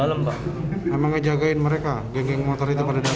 emang ngejagain mereka geng geng motor itu pada dasarnya